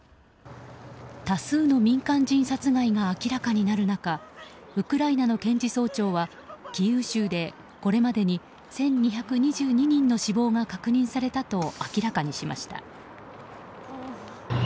多数の民間人殺害が明らかになる中ウクライナの検事総長はキーウ州でこれまでに１２２２人の死亡が確認されたと明らかにしました。